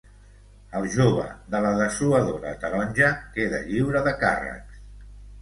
El jove de la dessuadora taronja queda lliure de càrrecs